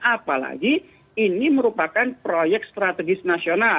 apalagi ini merupakan proyek strategis nasional